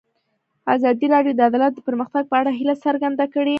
ازادي راډیو د عدالت د پرمختګ په اړه هیله څرګنده کړې.